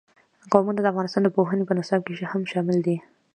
قومونه د افغانستان د پوهنې په نصاب کې هم شامل دي.